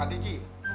raper deh gue